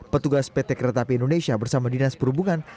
petugas pt kereta api indonesia bersama dinas perhubungan